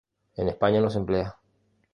En España no se emplea.